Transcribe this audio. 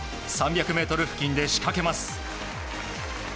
３００ｍ付近で仕掛けます。